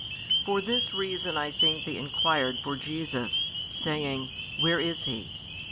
For this reason I think they enquired for Jesus, saying, Where is He?